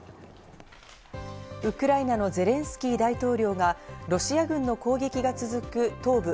ウクライナのゼレンスキー大統領がロシア軍の攻撃が続く東部